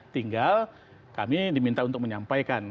tinggal kami diminta untuk menyampaikan